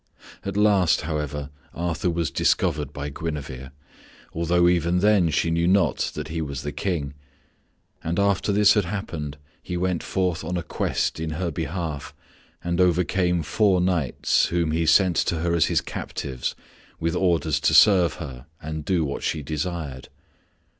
At last, however, Arthur was discovered by Guinevere, although even then she knew not that he was the King; and after this had happened he went forth on a quest in her behalf and overcame four knights whom he sent to her as his captives, with orders to serve her and do what she desired.